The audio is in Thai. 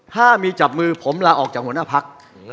ถ้ามีจับมือผมลาออกจากหัวหน้าพัก